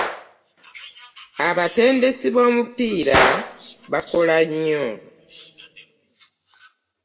Abatendesi b'omupiira bakola nnyo.